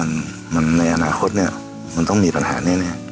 อาชีพโครนมในอนาคตมันต้องมีปัญหาแน่